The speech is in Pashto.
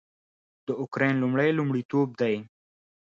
د اوکراین لومړی لومړیتوب دی